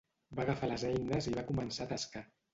Va agafar les eines i va començar a tascar.